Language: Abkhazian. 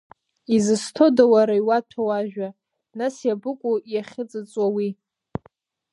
Исызҭода уара иуаҭәоу ажәа, нас иабыкәу иахьыҵыҵуа уи?!